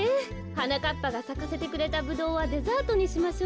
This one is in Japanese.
はなかっぱがさかせてくれたブドウはデザートにしましょうね。